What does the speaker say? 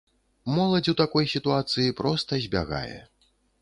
Моладзь у такой сітуацыі проста збягае.